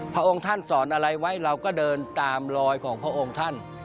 พระองค์ท่านสอนอะไรไว้เราก็เดินตามลอยของพระองค์ท่าน